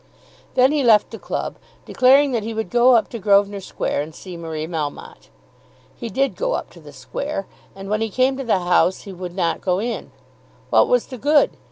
Then he left the club, declaring that he would go up to Grosvenor Square and see Marie Melmotte. He did go up to the Square, and when he came to the house he would not go in. What was the good?